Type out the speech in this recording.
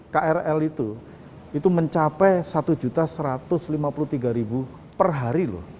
krl itu mencapai